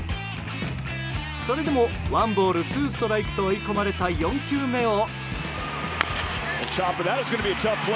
それでもワンボール、ツーストライクと追い込まれた４球目を。